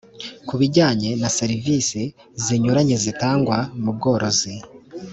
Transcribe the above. ku bijyanye na serivisi zinyuranye zitangwa mu bworozi